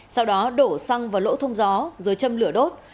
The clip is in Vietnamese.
sau đó đổ xăng vào lỗ thông gió rồi châm lửa đốt